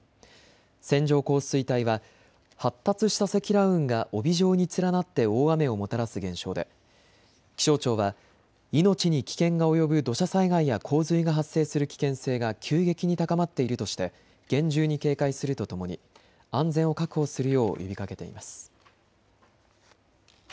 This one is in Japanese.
線状降水帯は発達した積乱雲が帯状に連なって大雨をもたらす現象で気象庁は命に危険が及ぶ土砂災害や洪水が発生する危険性が急激に高まっているとして厳重に警戒するとともに安全を確保するよう呼びかけています。